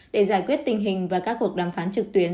để giải quyết tình hình và các cuộc đàm phán trực tuyến